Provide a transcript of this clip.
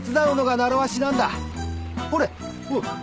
ほれ。